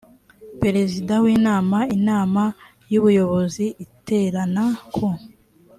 perezida w inama inama y ubuyobozi iterana ku